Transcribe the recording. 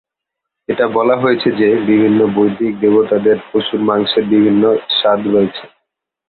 এটা বলা হয়েছে যে বিভিন্ন বৈদিক দেবতাদের পশুর মাংসের বিভিন্ন স্বাদ রয়েছে।